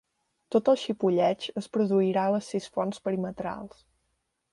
Tot el xipolleig es produirà a les sis fonts perimetrals.